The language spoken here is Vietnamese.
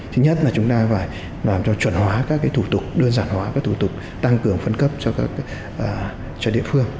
thứ nhất là chúng ta phải làm cho chuẩn hóa các thủ tục đơn giản hóa các thủ tục tăng cường phân cấp cho địa phương